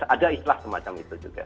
ada ikhlas semacam itu juga